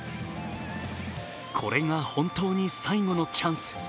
これが本当に最後のチャンス。